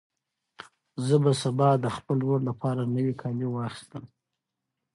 زه به سبا د خپل ورور لپاره نوي کالي واخیستل.